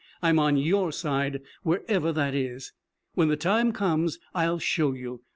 I'm on your side, wherever that is. When the time comes I'll show you.